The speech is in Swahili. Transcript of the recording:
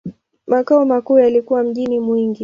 Makao makuu yalikuwa mjini Mwingi.